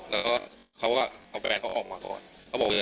แล้วเจ้าที่เค้าก็เอาตัวแย่บออกไป